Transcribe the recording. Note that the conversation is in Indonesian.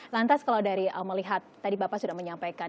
lantas kalau dari melihat tadi bapak sudah menyampaikan